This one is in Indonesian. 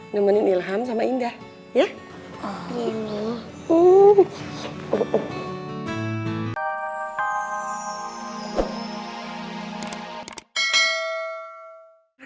nemenin ilham sama indah ya